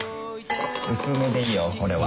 薄めでいいよ俺は。